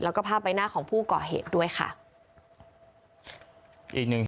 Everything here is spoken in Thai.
แล้วก็ภาพใบหน้าของผู้ก่อเหตุด้วยค่ะ